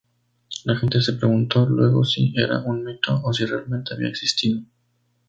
La gente se preguntó luego si era un mito o si realmente había existido.